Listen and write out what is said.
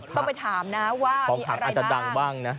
ต้องไปถามนะว่าของขวัญอาจจะดังบ้างนะ